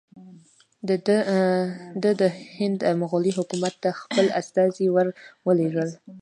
ده د هند مغولي حکومت ته خپل استازي ور ولېږل.